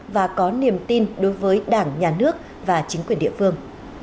và có niềm tin đối với đảng nhà nước và chính quyền địa phương